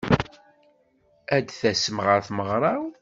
Ad tasem ɣer tmeɣṛa-w?